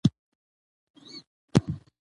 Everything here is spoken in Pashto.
چي زه راځمه خزان به تېر وي